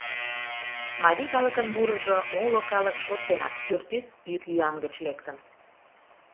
Марий калыкын мурыжо, моло калык шот денак, пӱртӱс йӱк-йӱан гыч лектын.